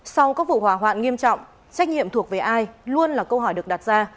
sau các vụ hỏa hoạn nghiêm trọng trách nhiệm thuộc về ai luôn là câu hỏi được đặt ra